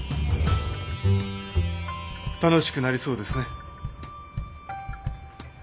楽しくなりそうですね。